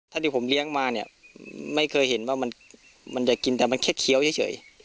ถ้าที่ผมเลี้ยงมาเนี่ยไม่เคยเห็นว่ามันจะกินแต่มันแค่เคี้ยวเฉย